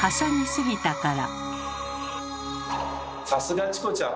さすがチコちゃん！